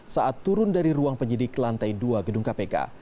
saat turun dari ruang penyidik lantai dua gedung kpk